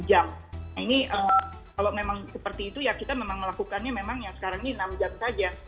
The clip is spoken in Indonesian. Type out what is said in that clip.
nah ini kalau memang seperti itu ya kita memang melakukannya memang ya sekarang ini enam jam saja